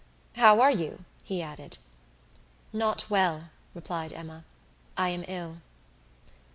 "How are you?" he added. "Not well," replied Emma; "I am ill."